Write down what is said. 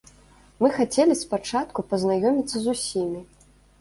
Мы хацелі спачатку пазнаёміцца з усімі.